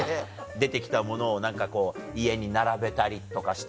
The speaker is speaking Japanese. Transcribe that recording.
出て来たものを何かこう家に並べたりとかしてんの？